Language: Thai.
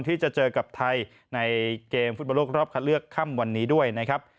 ที่จะเจอกับไทยในเกมฟุตบอลโลกรอบคัดเลือกค่ำวันนี้ด้วยนะครับ